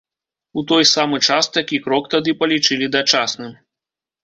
У той самы час такі крок тады палічылі дачасным.